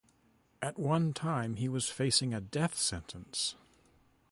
At one time he was facing a death sentence.